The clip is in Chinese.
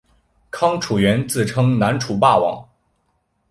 康楚元自称南楚霸王。